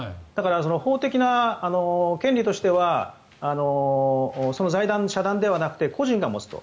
法的な権利としてはその財団、社団ではなくて個人が持つと。